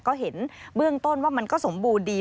ก็เห็นเบื้องต้นว่ามันก็สมบูรณ์ดี